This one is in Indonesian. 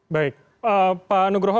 baik pak nugroho